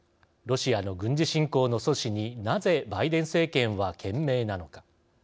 ロシアの軍事侵攻の阻止になぜバイデン政権は懸命なのか。